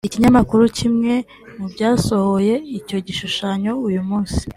Ikinyamakuru kimwe mu byasohoye icyo gishushanyo uyu munsi